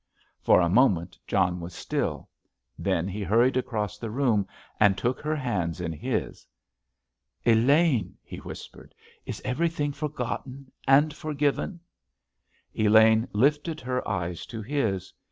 For a moment John was still; then he hurried across the room and took her hands in his. "Elaine," he whispered, "is everything forgotten and forgiven?" Elaine lifted her eyes to his.